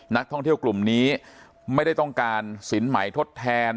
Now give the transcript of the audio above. นักท่องเที่ยวกลุ่มนี้ไม่ได้ต้องการสินใหม่ทดแทน